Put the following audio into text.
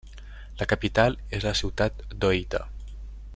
La capital és la ciutat d'Ōita.